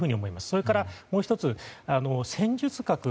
それから、もう１つロシアの戦術核